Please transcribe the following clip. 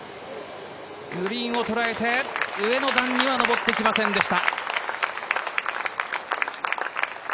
グリーンをとらえて、上の段には上ってきませんでした。